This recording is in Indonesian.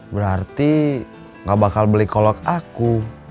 berarti nggak bakal beli kolek aku